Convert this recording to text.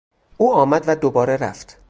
او آمد و دوباره رفت.